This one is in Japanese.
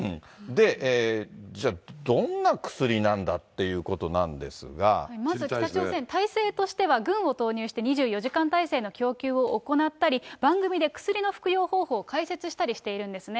で、じゃあどんな薬なんまず、北朝鮮、体制としては、軍を投入して２４時間態勢の供給を行ったり、番組で薬の服用方法を解説したりしているんですね。